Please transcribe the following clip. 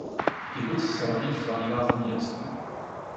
Kibuc se rovněž zabývá zemědělstvím.